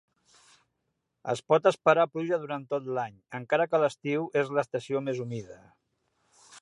Es pot esperar pluja durant tot l'any encara que l'estiu és l'estació més humida.